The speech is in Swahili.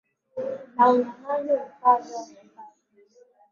na kunyang anywa vifaa vyao vya kazi